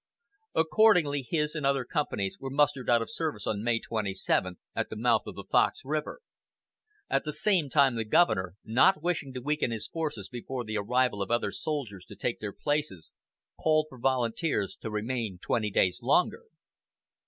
Accordingly his and other companies were mustered out of service on May 27, at the mouth of Fox River. At the same time the governor, not wishing to weaken his forces before the arrival of other soldiers to take their places, called for volunteers to remain twenty days longer.